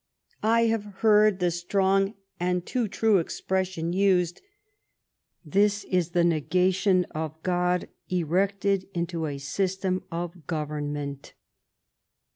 I have heard the strong and too true expression used — *This is the nega tion of God erected into a system of government.'